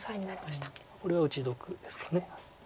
これは打ち得ですかね。